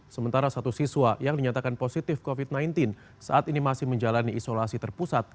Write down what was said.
sementara satu siswa yang dinyatakan positif covid sembilan belas saat ini masih menjalani isolasi terpusat